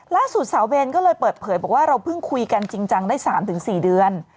สาวเวรก็เลยเปิดเผยบอกว่าเราเพิ่งคุยกันจริงจังได้๓๔เดือน